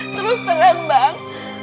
terus terang bang